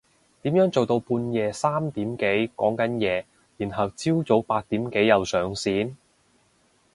點樣做到半夜三點幾講緊嘢然後朝早八點幾又上線？